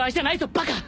バカ！